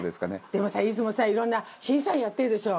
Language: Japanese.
でもさいつもさいろんな審査員やってるでしょ。